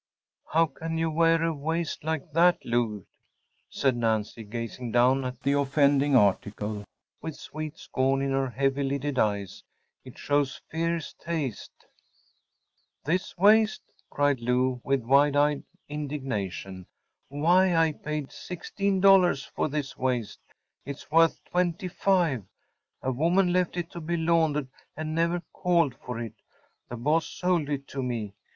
‚ÄĚ “How can you wear a waist like that, Lou?‚ÄĚ said Nancy, gazing down at the offending article with sweet scorn in her heavy lidded eyes. “It shows fierce taste.‚ÄĚ “This waist?‚ÄĚ cried Lou, with wide eyed indignation. “Why, I paid $16 for this waist. It’s worth twenty five. A woman left it to be laundered, and never called for it. The boss sold it to me.